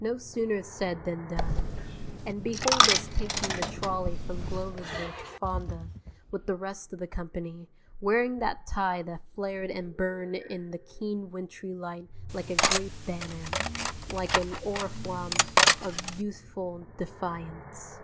No sooner said than done; and behold us taking the trolley from Gloversville to Fonda, with the rest of the company, wearing that tie that flared and burned in the keen wintry light like a great banner, like an oriflamme of youthful defiance.